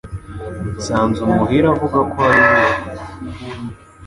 Nsanzumuhire avuga ko hari inyubako